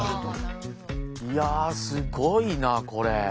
いやすごいなこれ。